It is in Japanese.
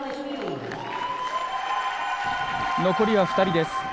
残りは２人です。